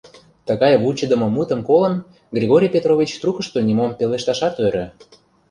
Тыгай вучыдымо мутым колын, Григорий Петрович трукышто нимом пелешташат ӧрӧ.